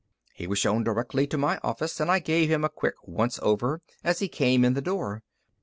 He was shown directly to my office, and I gave him a quick once over as he came in the door.